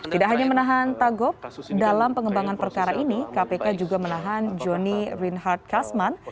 tidak hanya menahan tagop dalam pengembangan perkara ini kpk juga menahan johnny rinhardt kasman